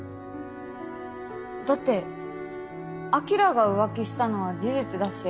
だって晶が浮気したのは事実だし